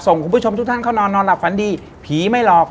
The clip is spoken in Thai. คุณผู้ชมทุกท่านเข้านอนนอนหลับฝันดีผีไม่หลอก